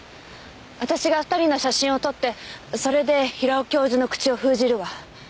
私が２人の写真を撮ってそれで平尾教授の口を封じるわ。